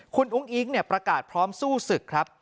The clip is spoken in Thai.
คุณอุ้งอิ๊งเนี่ยประกาศพร้อมสู้ศึกครับ